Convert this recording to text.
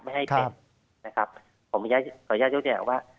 ไม่ให้เป็นนะครับผมขออนุญาตให้รู้ดีนะครับว่า